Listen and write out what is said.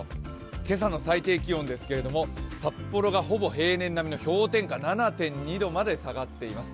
今朝の最低気温ですけど札幌が氷点下７．２度まで下がっています。